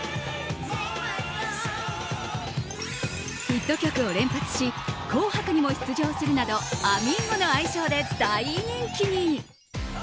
ヒット曲を連発し「紅白」にも出場するなどあみーゴの愛称で大人気に。